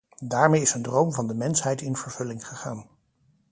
Daarmee is een droom van de mensheid in vervulling gegaan.